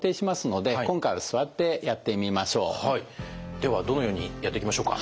ではどのようにやっていきましょうか？